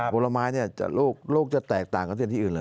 ผลไม้ลูกจะแตกต่างกับที่อื่นเลย